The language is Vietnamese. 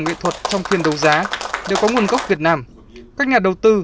nghệ thuật trong phiên đấu giá đều có nguồn gốc việt nam các nhà đầu tư